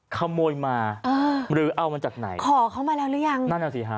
ขโมยมาหรือเอามันจากไหน